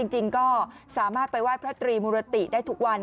จริงก็สามารถไปไหว้พระตรีมุรติได้ทุกวัน